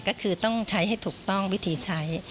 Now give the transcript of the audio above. ก็คือต้องใช้ให้ถูกต้องวิธีใช้